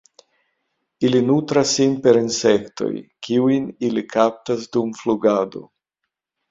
Ili nutras sin per insektoj, kiujn ili kaptas dum flugado.